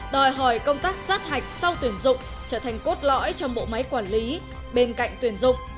đòi hỏi công tác sát hạch sau tuyển dụng trở thành cốt lõi trong bộ máy quản lý bên cạnh tuyển dụng